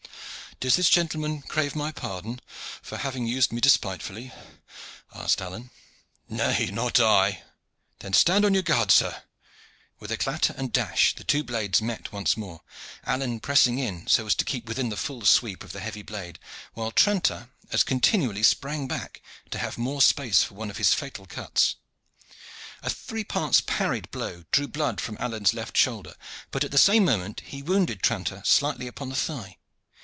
"Does this gentleman crave my pardon for having used me despitefully?" asked Alleyne. "Nay, not I." "Then stand on your guard, sir!" With a clatter and dash the two blades met once more, Alleyne pressing in so as to keep within the full sweep of the heavy blade, while Tranter as continually sprang back to have space for one of his fatal cuts. A three parts parried blow drew blood from Alleyne's left shoulder, but at the same moment he wounded Tranter slightly upon the thigh.